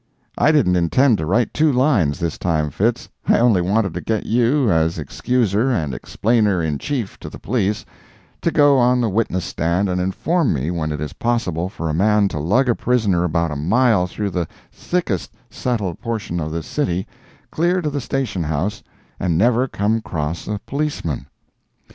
I didn't intend to write two lines this time, Fitz; I only wanted to get you, as Excuser and Explainer in Chief to the Police, to go on the witness stand and inform me when it is possible for a man to lug a prisoner about a mile through the thickest settled portion of this city—clear to the station house—and never come across a policeman.